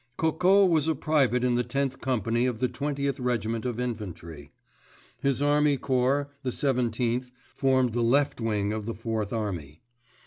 Coco was a private in the Tenth Company of the Twentieth Regiment of Infantry. His army corps, the Seventeenth, formed the left wing of the Fourth Army.